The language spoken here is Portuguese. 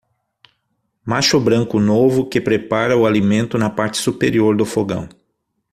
Macho branco novo que prepara o alimento na parte superior do fogão.